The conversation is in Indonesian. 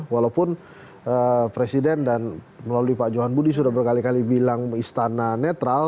walaupun presiden dan melalui pak johan budi sudah berkali kali bilang istana netral